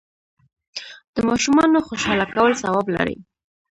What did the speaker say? د ماشومانو خوشحاله کول ثواب لري.